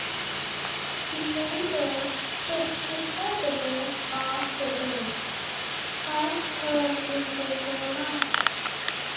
In many birds, the skin at the base of the beak has turned into ceroma.